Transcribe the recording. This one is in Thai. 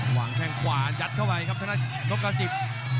หวังแข่งขวานยัดเข้าไปครับสำหรับนกระจิบ